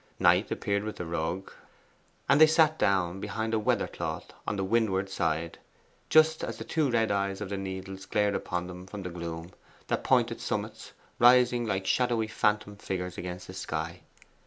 Knight appeared with the rug, and they sat down behind a weather cloth on the windward side, just as the two red eyes of the Needles glared upon them from the gloom, their pointed summits rising like shadowy phantom figures against the sky.